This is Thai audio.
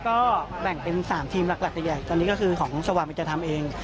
ก็แบ่งเป็น๓ทีมหลักใหญ่ตอนนี้ก็คือของสว่างมันจะทำเอง